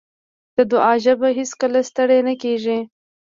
د دعا ژبه هېڅکله ستړې نه کېږي.